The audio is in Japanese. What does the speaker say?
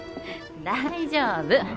大丈夫。